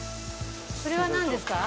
それはなんですか？